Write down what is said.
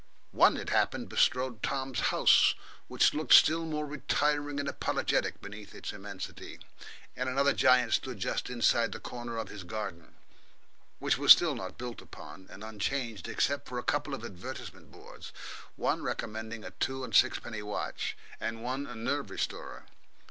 One, it happened, bestrode Tom's house, which looked still more retiring and apologetic beneath its immensity; and another giant stood just inside the corner of his garden, which was still not built upon and unchanged, except for a couple of advertisement boards, one recommending a two and sixpenny watch, and one a nerve restorer.